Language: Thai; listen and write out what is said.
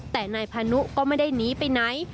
แต่นายพานุก็ไม่ได้หนีไปไหน